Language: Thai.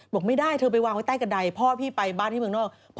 บอกไม่ได้เธอไปวางไว้ใต้กระดายพ่อพี่ไปบ้านที่เมืองนอก